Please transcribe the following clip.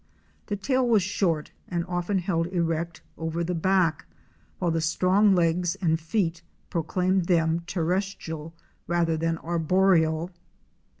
The tail was short and often held erect over the back, while the strong legs and feet proclaimed them terrestrial rather than arboreal.